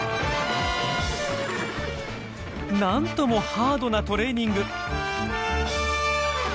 なんともハードなトレーニング。